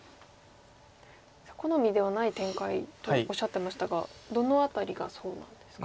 好みではない展開とおっしゃってましたがどの辺りがそうなんですか？